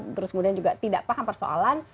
terus kemudian juga tidak paham persoalan